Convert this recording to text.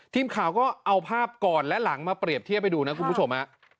ทีมข่าวก็เอาภาพก่อนและหลังมาเปรียบเทียบให้ดูนะคุณผู้ชมฮะ